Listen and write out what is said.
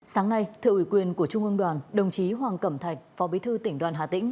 sáng nay thượng ủy quyền của trung ương đoàn đồng chí hoàng cẩm thạch phó bí thư tỉnh đoàn hà tĩnh